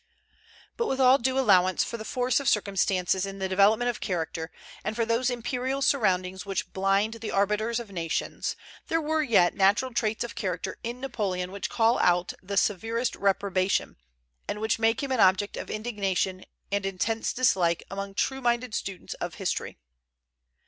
But with all due allowance for the force of circumstances in the development of character, and for those imperial surroundings which blind the arbiters of nations, there were yet natural traits of character in Napoleon which call out the severest reprobation, and which make him an object of indignation and intense dislike among true minded students of history.